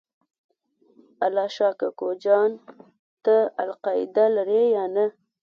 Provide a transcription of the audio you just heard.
الله شا کوکو جان ته القاعده لرې یا نه؟